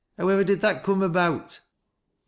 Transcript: How ivver did that coom about ?